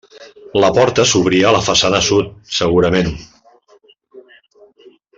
La porta s'obria a la façana sud segurament.